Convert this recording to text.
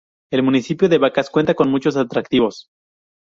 El municipio de Vacas cuenta con muchos atractivos.